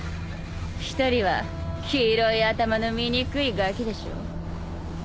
一人は黄色い頭の醜いガキでしょ。